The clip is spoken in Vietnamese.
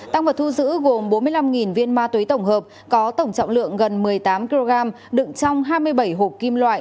tăng vật thu giữ gồm bốn mươi năm viên ma túy tổng hợp có tổng trọng lượng gần một mươi tám kg đựng trong hai mươi bảy hộp kim loại